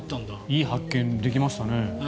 いい発見ができましたね。